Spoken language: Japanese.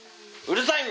うるさい。